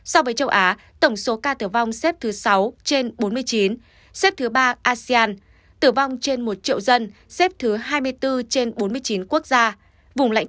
so với châu á tổng số ca tử vong xếp thứ sáu trên bốn mươi chín xếp thứ ba asean tử vong trên một triệu dân xếp thứ hai mươi bốn trên bốn mươi chín quốc gia vùng lãnh thổ châu á và xếp thứ bốn của khối asean